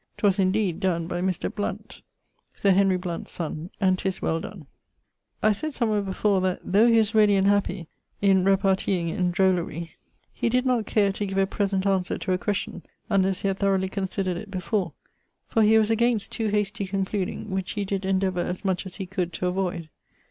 'Twas (indeed) donne by Mr. ... Blunt, Sir Henry Blunt's sonne, and 'tis well donne. I sayd, somewhere before, that (though he was ready and happy in repartying in drollery) he did not care to give a present answer to a question, unless he had thoroughly considered it before: for he was against 'too hasty concluding,' which he did endeavour as much as he could to avoid.